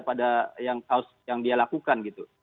pada yang dia lakukan gitu